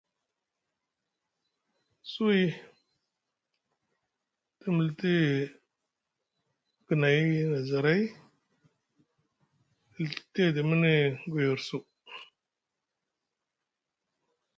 Suwi te militi guinay na zaray te Ɵiti edi midini goyar su.